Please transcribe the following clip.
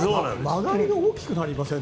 曲がりが大きくなりません？